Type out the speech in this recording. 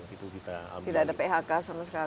tidak ada phk sama sekali